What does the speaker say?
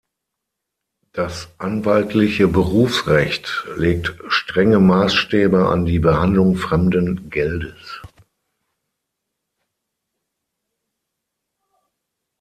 Das anwaltliche Berufsrecht legt strenge Maßstäbe an die Behandlung fremden Geldes.